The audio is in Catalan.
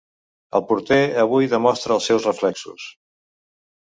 El porter avui demostra els seus reflexos.